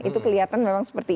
itu kelihatan memang seperti